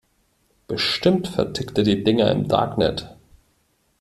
Bestimmt vertickt er die Dinger im Darknet.